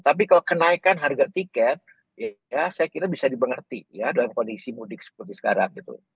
tapi kalau kenaikan harga tiket ya saya kira bisa dimengerti ya dalam kondisi mudik seperti sekarang gitu